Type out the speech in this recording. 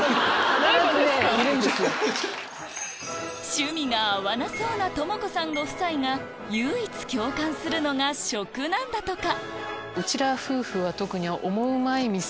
趣味が合わなそうな智子さんご夫妻が唯一共感するのが食なんだとかはいはいはい。